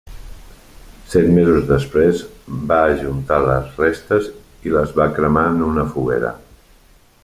Set mesos després, va ajuntar les restes i les va cremar en una foguera.